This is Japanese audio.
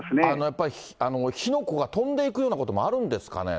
やっぱり火の粉が飛んでいくようなこともあるんですかね。